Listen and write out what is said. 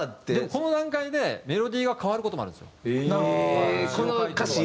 でもこの段階でメロディーが変わる事もあるんですよ。